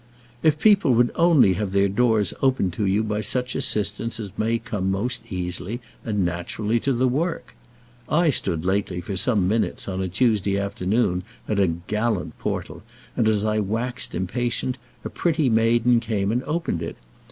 If people would only have their doors opened to you by such assistance as may come most easily and naturally to the work! I stood lately for some minutes on a Tuesday afternoon at a gallant portal, and as I waxed impatient a pretty maiden came and opened it.